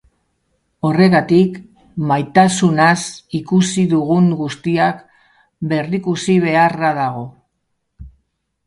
Horregatik, maitasunaz ikasi dugun guztia berrikusi beharra dago.